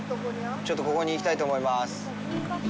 ちょっとここに行きたいと思います。